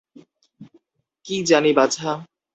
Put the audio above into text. কী জানি বাছা!